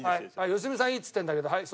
良純さんいいっつってんだけどはい